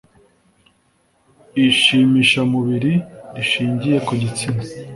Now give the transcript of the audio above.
ishimishamubiri rishingiye ku gitsina